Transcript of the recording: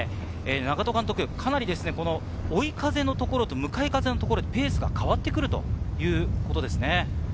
かなり追い風のところと向かい風のところでペースが変わってくるんですね。